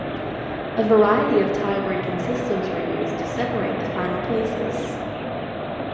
A variety of tie-breaking systems were used to separate the final places.